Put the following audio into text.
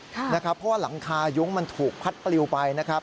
เพราะว่าหลังคายุ้งมันถูกพัดปลิวไปนะครับ